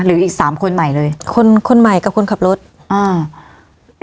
หรืออีกสามคนใหม่เลยคนคนใหม่กับคนขับรถอ่า